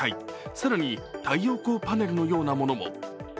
更に太陽光パネルのようなものも。